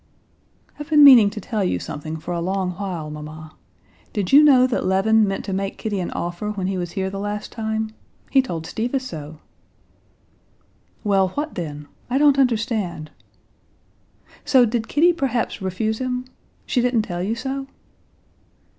"I'd been meaning to tell you something for a long while, mamma: did you know that Levin meant to make Kitty an offer when he was here the last time? He told Stiva so." "Well, what then? I don't understand...." "So did Kitty perhaps refuse him?... She didn't tell you so?"